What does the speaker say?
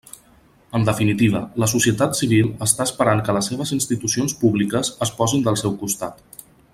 En definitiva, la societat civil està esperant que les seves institucions públiques es posin del seu costat.